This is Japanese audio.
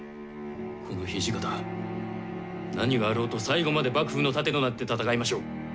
この土方、何があろうと最後まで幕府の盾となって戦いましょう。